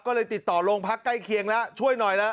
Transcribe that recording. ก็เลยติดต่อโรงพักก์ใกล้เคียงแล้ว